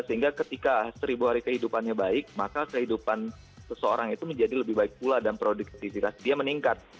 sehingga ketika seribu hari kehidupannya baik maka kehidupan seseorang itu menjadi lebih baik pula dan produktivitas dia meningkat